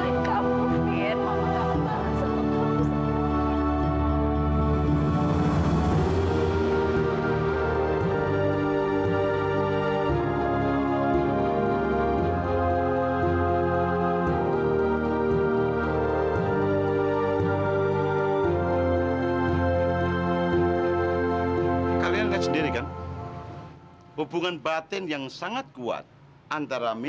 ikatan anak dan ibunya begitu kuat pak